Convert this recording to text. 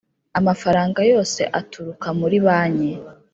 Amafaranga yose aturuka muri banki